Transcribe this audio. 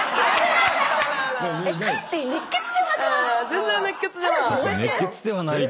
全然熱血じゃない。